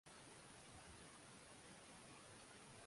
ziliendelea chini ya ukomunisti lakini kwa matatizo makubwa